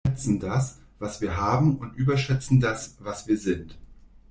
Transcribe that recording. Wir unterschätzen das, was wir haben und überschätzen das, was wir sind.